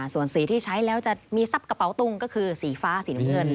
ส่วนสีที่ใช้แล้วจะมีทรัพย์กระเป๋าตุงก็คือสีฟ้าสีน้ำเงิน